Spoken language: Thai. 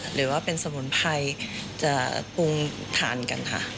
หรือว่าเป็นสมุนไพรจะปรุงทานกันค่ะ